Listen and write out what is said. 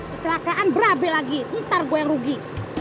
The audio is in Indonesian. kecelakaan berabe lagi ntar gue yang rugi